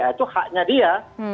itu haknya dia